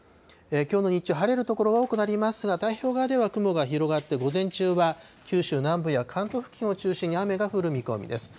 きょうの日中、晴れる所が多くなりますが、太平洋側では雲が広がって、午前中は、九州南部や関東付近を中心に雨が降る見込みです。